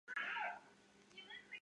该物种的模式产地在堪察加。